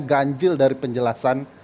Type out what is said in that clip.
ganjil dari penjelasan